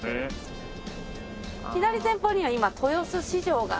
左前方には今豊洲市場が。